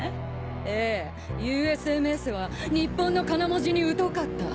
ええＵＳＭＳは日本の仮名文字に疎かった。